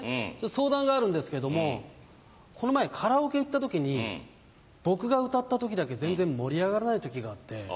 相談があるんですけどもこの前カラオケ行った時に僕が歌った時だけ全然盛り上がらない時があって。